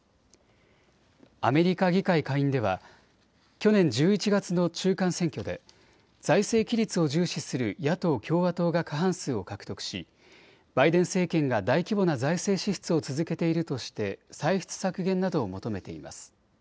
アメリカ議会下院では去年１１月の中間選挙で財政規律を重視する野党・共和党が過半数を獲得しバイデン政権が大規模な財政支出を続けているとして歳出削減などを求めています。